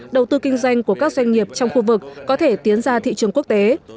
đầu tư kinh doanh của các doanh nghiệp trong khu vực có thể tiến ra thị trường quốc tế